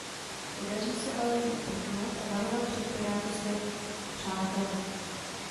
Podaří se ale jí uprchnout a varovat před piráty své přátele.